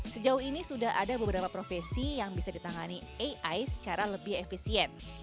sejauh ini sudah ada beberapa profesi yang bisa ditangani ai secara lebih efisien